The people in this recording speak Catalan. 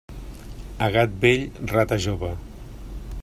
A gat vell, rata jove.